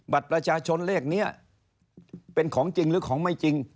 บัตรประชาชนเลขนี้เป็นของจริงหรือของไม่จริง